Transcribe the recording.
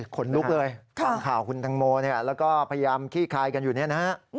ขนลุกเลยฟังข่าวคุณตังโมแล้วก็พยายามขี้คายกันอยู่เนี่ยนะฮะ